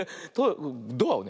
ドアをね